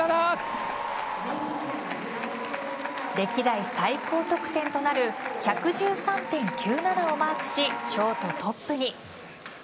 歴代最高得点となる１１３．９７をマークしショート、トップに。